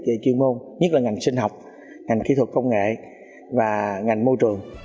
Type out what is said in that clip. về chuyên môn nhất là ngành sinh học ngành kỹ thuật công nghệ và ngành môi trường